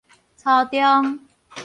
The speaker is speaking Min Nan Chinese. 初中